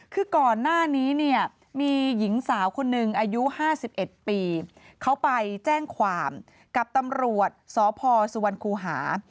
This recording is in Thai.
คือก่อนหน้านี้เนี่ยมีหญิงสาวคนหนึ่งอายุ๕๑ปีเขาไปแจ้งความกับตำรวจสพสุวรรคูหา